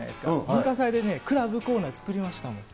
文化祭でクラブコーナー作りましたもん。